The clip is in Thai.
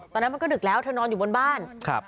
ตอนนั้นมันก็ดึกแล้วเธอนอนอยู่บนบ้าน